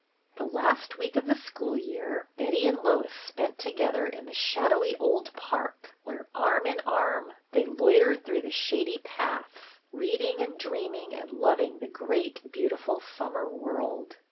The last week of the school year Betty and Lois spent together in the shadowy old i86 BETTY BAIRD park where, arm in arm, they loitered through the shady paths, reading and dreaming and loving the great, beautiful, summer world.